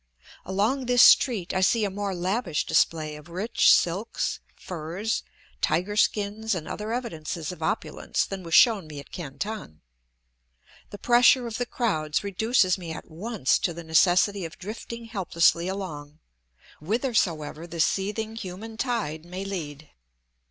Along this street I see a more lavish display of rich silks, furs, tiger skins, and other evidences of opulence than was shown me at Canton. The pressure of the crowds reduces me at once to the necessity of drifting helplessly along, whithersoever the seething human tide may lead.